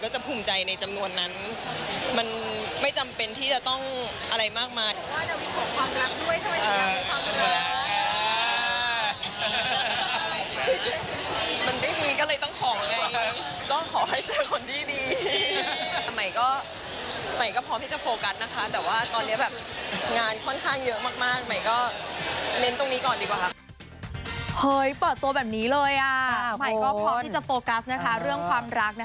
ก็จะภูมิใจในจำนวนนั้นมันไม่จำเป็นไปต้องเกี่ยวกับอะไรขึ้นได้